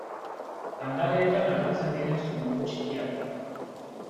Landareetan agertzen diren zomorro txikiak dira.